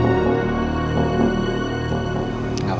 aku akan mencobanya